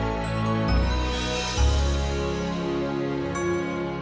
aku sangat suka dengan permainanmu